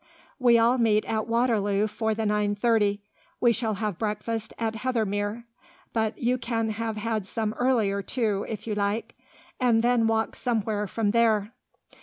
"We all meet at Waterloo for the nine thirty. We shall have breakfast at Heathermere (but you can have had some earlier, too, if you like), and then walk somewhere from there.